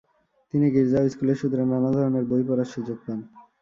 তিনি গির্জা ও স্কুলের সূত্রে নানা ধরনের বই পড়ার সুযোগ পান।